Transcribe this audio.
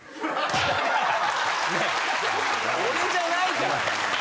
俺じゃないから。